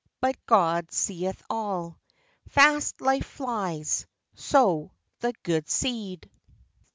But God seeth all. Fast life flies; Sow the good seed.